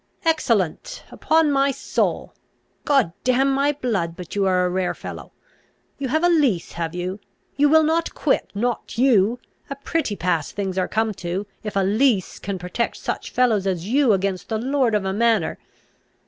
"Excellent, upon my soul! God damn my blood! but you are a rare fellow. You have a lease, have you? You will not quit, not you! a pretty pass things are come to, if a lease can protect such fellows as you against the lord of a manor!